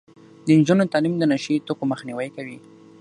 د نجونو تعلیم د نشه يي توکو مخنیوی کوي.